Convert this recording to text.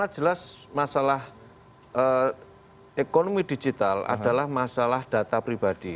jelas masalah ekonomi digital adalah masalah data pribadi